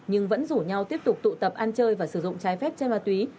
nhưng vẫn rủ nhau tiếp tục tụ tập ăn chơi và sử dụng trái phép trên ma túy